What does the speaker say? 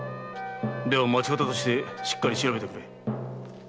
では町方としてしっかり調べてくれ。